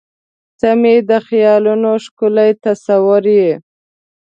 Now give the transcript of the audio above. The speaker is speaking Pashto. • ته مې د خیالونو ښکلی تصور یې.